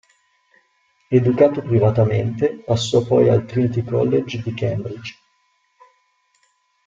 Educato privatamente, passò poi al Trinity College di Cambridge.